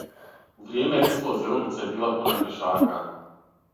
У вријеме експлозије, улица је била пуна пјешака.